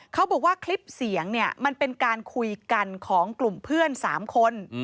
เขาบอกว่าคลิปเสียงเนี่ยมันเป็นการคุยกันของกลุ่มเพื่อน๓คน